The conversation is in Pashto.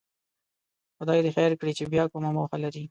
خدای دې خیر کړي چې بیا کومه موخه لري.